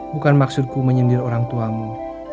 bukan maksudku menyindir orang tuamu